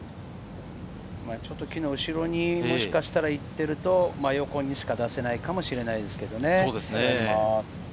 ちょっと木の後ろにもしかしたら行っていると、真横にしか出せないかもしれないですけれどね。